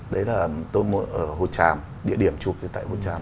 đấy là tôi ở hồ tràm địa điểm chụp tại hồ tràm